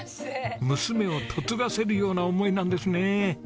娘を嫁がせるような思いなんですね。